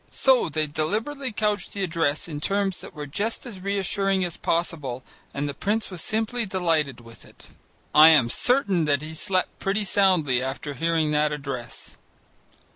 So they deliberately couched the address in terms that were just as reassuring as possible and the prince was simply delighted with it. I am certain that he slept pretty soundly after hearing that address.